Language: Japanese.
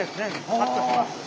カットします。